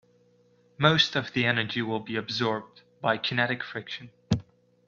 Most of the energy will be absorbed by kinetic friction.